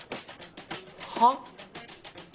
はっ？